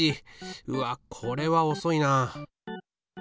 うわっこれはおそいな。